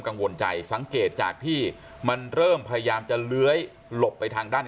กังวลใจสังเกตจากที่มันเริ่มพยายามจะเลื้อยหลบไปทางด้าน